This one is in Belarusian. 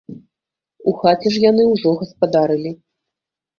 У хаце ж яны ўжо гаспадарылі.